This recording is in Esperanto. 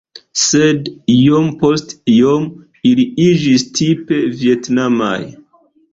Sed iom post iom ili iĝis tipe vjetnamaj.